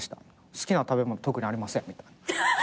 好きな食べ物特にありませんみたいな。